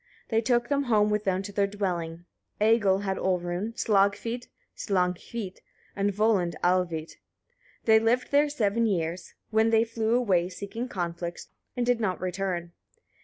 They took them home with them to their dwelling. Egil had Olrun, Slagfid Svanhvit, and Volund Alvit. They lived there seven years, when they flew away seeking conflicts, and did not return.